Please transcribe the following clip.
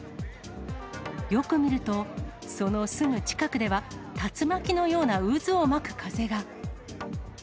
よく見ると、そのすぐ近くでは、竜巻のような渦を巻く風が。